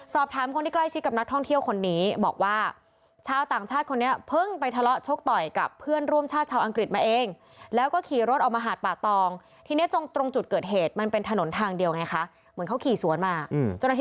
สอบถามคนที่ใกล้ชิดกับนักท่องเที่ยวคนนี้บอกว่าชาวต่างชาติคนนี้เพิ่งไปทะเลาะชกต่อยกับเพื่อนร่วมชาติชาวอังกฤษมาเองแล้วก็ขี่รถออกมาหาดป่าตองทีนี้ตรงตรงจุดเกิดเหตุมันเป็นถนนทางเดียวไงคะเหมือนเขาขี่สวนมาเจ้าหน้าที่